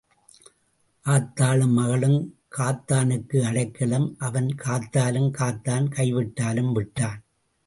ஆத்தாளும் மகளும் காத்தானுக்கு அடைக்கலம் அவன் காத்தாலும் காத்தான் கை விட்டாலும் விட்டான்.